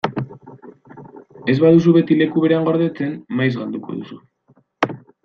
Ez baduzu beti leku berean gordetzen, maiz galduko duzu.